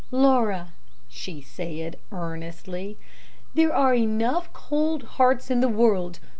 "Laura," she said, earnestly, "there are enough cold hearts in the world.